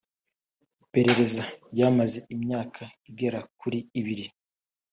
“Iperereza ryamaze imyaka igera kuri ibiri